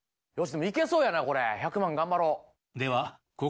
よしでもいけそうやなこれ１００万頑張ろう。